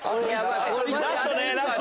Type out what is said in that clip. ラストねラスト。